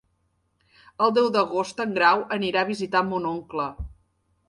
El deu d'agost en Grau anirà a visitar mon oncle.